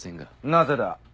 なぜだ？